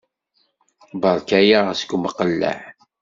Berka-yaɣ seg umqelleɛ.